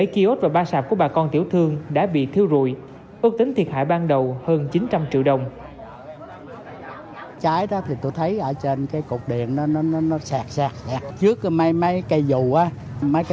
bảy kiosk và ba sạp của bà con tiểu thương đã bị thiêu rùi